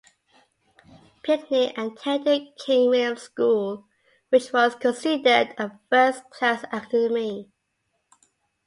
Pinkney attended King William school, which was considered a first class academy.